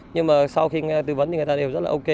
nhưng mà sau khi nghe tư vấn thì người ta đều rất là ok